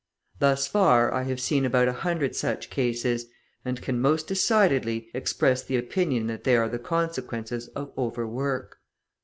Thus far I have seen about a hundred such cases, and can, most decidedly, express the opinion that they are the consequences of overwork.